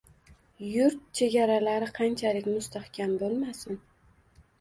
Yurt chegaralari qanchalik mustahkam bo‘lmasin